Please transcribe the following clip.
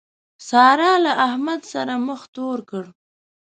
سارا له احمد سره مخ تور کړ.